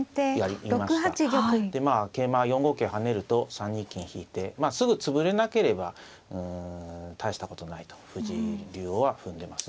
先手６八玉。でまあ桂馬は４五桂跳ねると３二金引いてまあすぐ潰れなければ大したことないと藤井竜王は踏んでますね。